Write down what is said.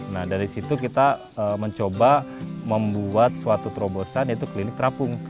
nah dari situ kita mencoba membuat suatu terobosan yaitu klinik terapung